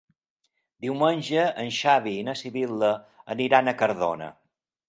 Diumenge en Xavi i na Sibil·la aniran a Cardona.